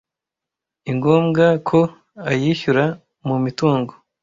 ingombwa ko ayishyura mu mitungo